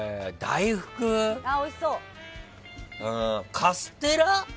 大福カステラ？